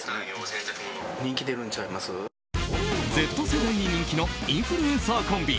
Ｚ世代に人気のインフルエンサーコンビ